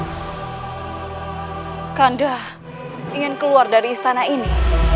kandah ingin keluar dari istana ini